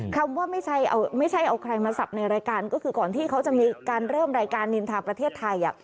คำว่าไม่ใช่เอาใครมาสับในรายการก็คือก่อนที่เขาจะมีการเริ่มรายการนินทาประเทศไทย